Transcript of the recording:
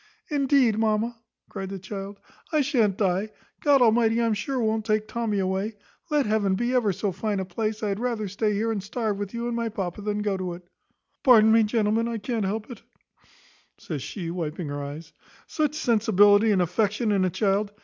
`Indeed, mamma,' cried the child, `I shan't die; God Almighty, I'm sure, won't take Tommy away; let heaven be ever so fine a place, I had rather stay here and starve with you and my papa than go to it.' Pardon me, gentlemen, I can't help it" (says she, wiping her eyes), "such sensibility and affection in a child.